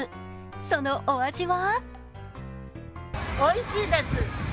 そのお味は？